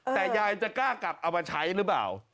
แต่ยายจะกล้ากลับเอามาใช้หรือเปล่า